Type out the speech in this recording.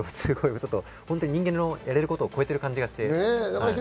人間のやれることを超えている感じがしています。